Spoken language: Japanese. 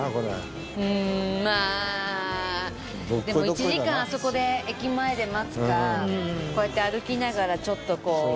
うーんまあでも１時間あそこで駅前で待つかこうやって歩きながらこう。